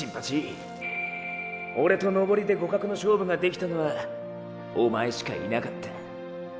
オレと登りで互角の勝負ができたのはおまえしかいなかった。